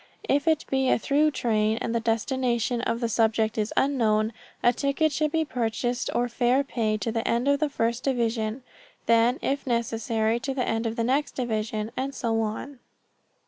If it be a through train and the destination of the subject is unknown, a ticket should be purchased or fare paid to the end of the first division; then, if necessary, to the end of the next division, and so on.